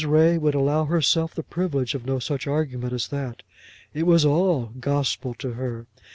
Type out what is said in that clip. Ray would allow herself the privilege of no such argument as that. It was all gospel to her.